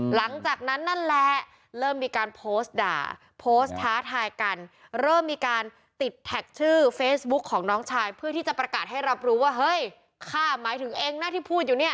หลังจากนั้นนั่นแหละเริ่มมีการโพสต์ด่าโพสต์ท้าทายกันเริ่มมีการติดแท็กชื่อเฟซบุ๊กของน้องชายเพื่อที่จะประกาศให้รับรู้ว่าเฮ้ยข้าหมายถึงเองนะที่พูดอยู่เนี่ย